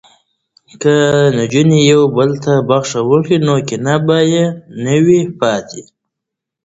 که نجونې یو بل ته بخښنه وکړي نو کینه به نه وي پاتې.